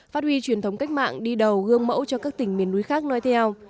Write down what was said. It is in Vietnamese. phát huy truyền thống cách mạng đi đầu gương mẫu cho các tỉnh miền núi khác nói theo